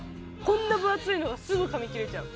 こんな分厚いのがすぐ噛み切れちゃう。